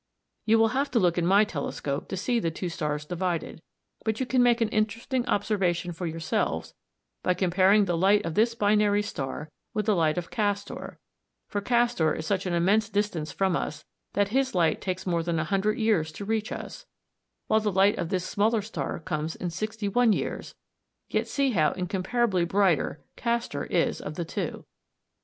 You will have to look in my telescope to see the two stars divided, but you can make an interesting observation for yourselves by comparing the light of this binary star with the light of Castor, for Castor is such an immense distance from us that his light takes more than a hundred years to reach us, while the light of this smaller star comes in sixty one years, yet see how incomparably brighter Castor is of the two.